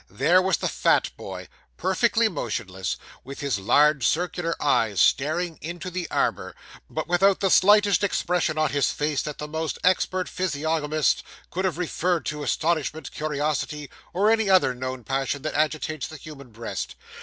There was the fat boy, perfectly motionless, with his large circular eyes staring into the arbour, but without the slightest expression on his face that the most expert physiognomist could have referred to astonishment, curiosity, or any other known passion that agitates the human breast.